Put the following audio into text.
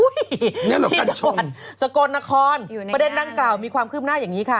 พี่จังหวัดสกลนครประเด็นนางกล่าวมีความขึ้นหน้าอย่างนี้ค่ะ